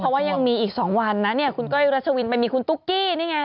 เพราะว่ายังมีอีก๒วันนะเนี่ยคุณก้อยรัชวินไปมีคุณตุ๊กกี้นี่ไง